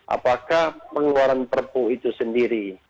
apakah pengeluaran perpu itu sendiri